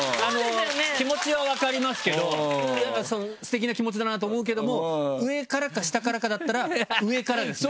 気持ちは分かりますけどすてきな気持ちだなと思うけども上からか下からかだったら上からですね。